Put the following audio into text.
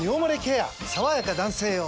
さわやか男性用」